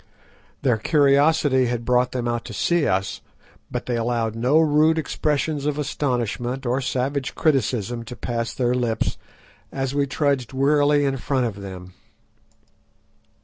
Their curiosity had brought them out to see us, but they allowed no rude expressions of astonishment or savage criticism to pass their lips as we trudged wearily in front of them.